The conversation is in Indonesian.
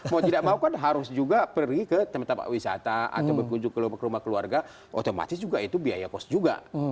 mau tidak mau kan harus juga pergi ke tempat tempat wisata atau berkunjung ke rumah keluarga otomatis juga itu biaya kos juga